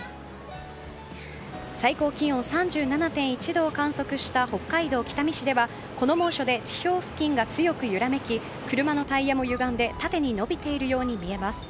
最高気温３７．１度を記録した北海道北見市では、この猛暑で地表付近が強く揺らめき車のタイヤもゆがんで縦に伸びているように見えます。